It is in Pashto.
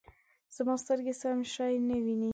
زما سترګې سم شی نه وینې